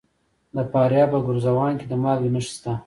د فاریاب په ګرزوان کې د مالګې نښې شته.